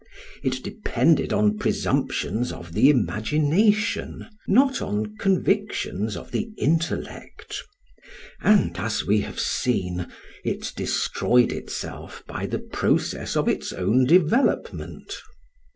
It depended on presumptions of the imagination, not on convictions of the intellect; and as we have seen, it destroyed itself by the process of its own development.